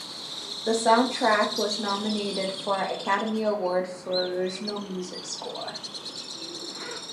The soundtrack was nominated for an Academy Award for Original Music Score.